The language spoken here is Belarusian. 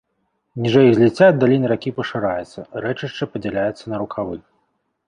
Ніжэй іх зліцця даліна ракі пашыраецца, рэчышча падзяляецца на рукавы.